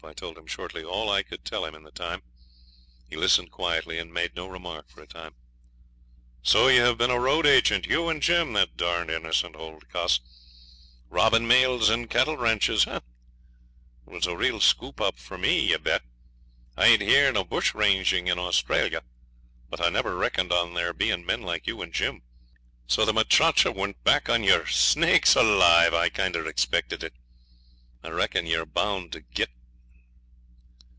I told him shortly all I could tell him in the time. ..... He listened quietly, and made no remark for a time. 'So ye hev' bin a road agent. You and Jim, that darned innocent old cuss, robbing mails and cattle ranches. It is a real scoop up for me, you bet. I'd heern of bush ranging in Australia, but I never reckoned on their bein' men like you and Jim. So the muchacha went back on yer snakes alive! I kinder expected it. I reckon you're bound to git.'